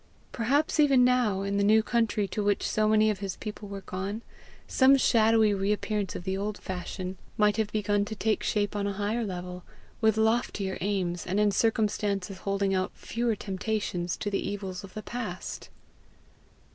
Perhaps even now, in the new country to which so many of his people were gone, some shadowy reappearance of the old fashion might have begun to take shape on a higher level, with loftier aims, and in circumstances holding out fewer temptations to the evils of the past!